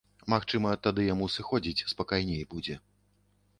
Магчыма, тады яму сыходзіць спакайней будзе.